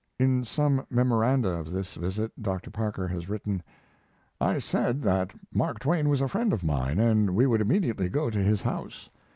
In some memoranda of this visit Dr. Parker has written: I said that Mark Twain was a friend of mine, and we would immediately go to his house.